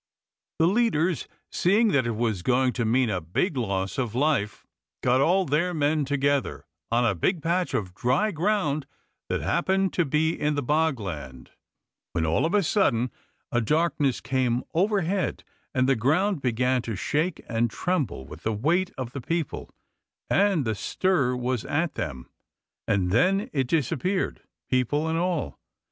The leaders, seeing that it was going to mean a big loss of life, got all their men together on a big patch of dry ground that happened to be in the bog land, when all of a sudden a darkness came overhead and the ground began to shake and tremble with the weight of the people and the stir there was at them, and then it disappeared, people and all.